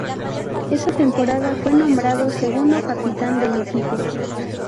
Esa temporada fue nombrado segundo capitán del equipo.